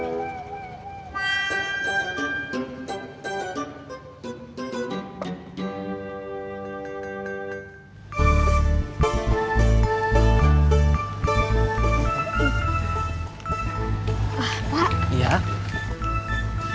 nanti jangan lupa ya fotoin denny